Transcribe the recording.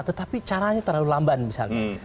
tetapi caranya terlalu lamban misalnya